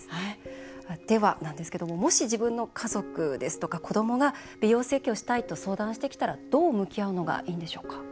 では、なんですがもし自分の家族や子どもが美容整形をしたいと相談してきたらどう向き合うのがいいんでしょうか？